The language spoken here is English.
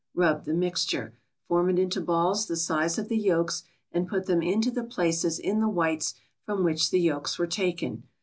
Rub the mixture. Form it into balls the size of the yolks and put them into the places in the whites from which the yolks were taken.